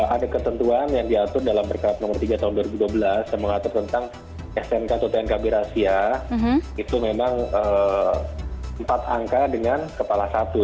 ada ketentuan yang diatur dalam perkat nomor tiga tahun dua ribu dua belas yang mengatur tentang snk atau tnkb rasyia